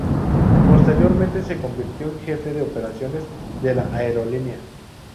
Posteriormente se convirtió en jefe de operaciones de la aerolínea.